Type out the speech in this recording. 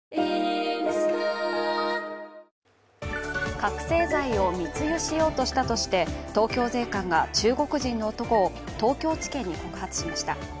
覚醒剤を密輸しようとしたとして東京税関が中国人の男を東京地検に告発しました。